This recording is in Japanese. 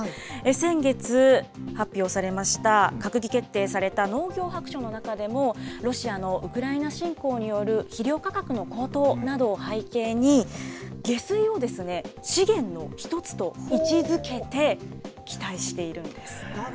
先月発表されました、閣議決定された農業白書の中でも、ロシアのウクライナ侵攻による肥料価格の高騰などを背景に、下水を資源の一つと位置づけて、期待しているんです。